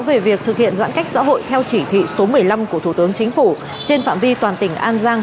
về việc thực hiện giãn cách xã hội theo chỉ thị số một mươi năm của thủ tướng chính phủ trên phạm vi toàn tỉnh an giang